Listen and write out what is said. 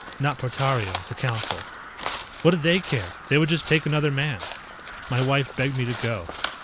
Not Portario, the Council. What did they care, they would just take another man. My wife begged me to go.